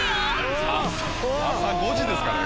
朝５時ですからね。